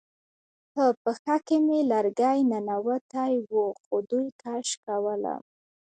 په پښه کې مې لرګی ننوتی و خو دوی کش کولم